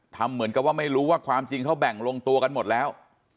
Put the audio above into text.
ทำเหมือนกับว่าไม่รู้ว่าความจริงเขาแบ่งลงตัวกันหมดแล้ว